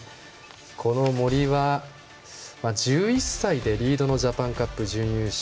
この森は１１歳でリードのジャパンカップ準優勝。